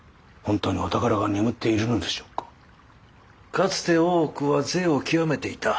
かつて大奥は贅を極めていた。